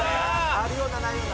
あるようなないような。